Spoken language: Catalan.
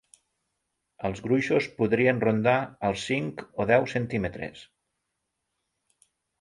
Els gruixos podrien rondar els cinc o deu centímetres.